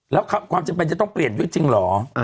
แล้วความจำเป็นจะต้องเปลี่ยนยุคจริงเหรอ